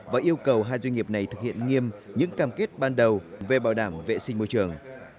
và yêu cầu hai doanh nghiệp này thực hiện nghiêm những cam kết ban đầu về bảo đảm vệ sinh môi trường